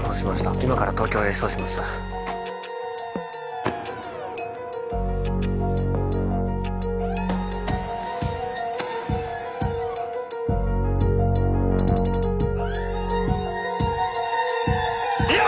今から東京へ移送します梨央！